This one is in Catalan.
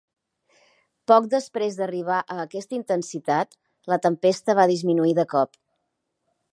Poc després d'arribar a aquesta intensitat, la tempesta va disminuir de cop.